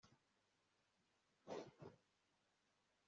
ushobora gukora ibirenze cyane